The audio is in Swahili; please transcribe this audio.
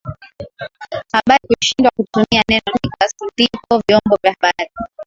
habari kushindwa kutumia neno Niggaz ndipo vyombo vya habari